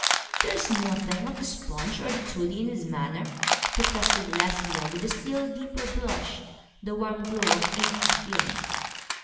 'There is nothing of the sponge or the toady in his manner,' protested Lady Lesbia, with a still deeper blush, the warm glow of angry feeling.